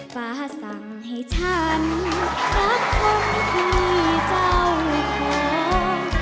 ฟ้าสั่งให้ฉันรักคนที่เจ้าของ